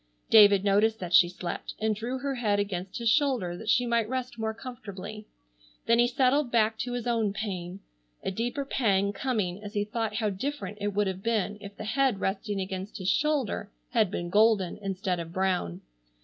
David noticed that she slept, and drew her head against his shoulder that she might rest more comfortably. Then he settled back to his own pain, a deeper pang coming as he thought how different it would have been if the head resting against his shoulder had been golden instead of brown.